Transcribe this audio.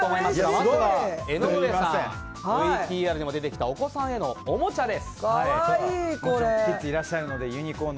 まずは江上さんＶＴＲにも出てきたお子さんへのおもちゃです。